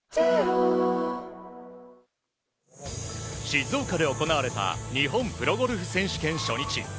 静岡で行われた日本プロゴルフ選手権初日。